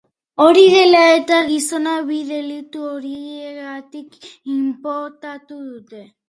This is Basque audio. Hori dela eta, gizona bi delitu horiengatik inputatu dute.